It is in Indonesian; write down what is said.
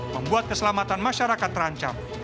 membuat keselamatan masyarakat terancam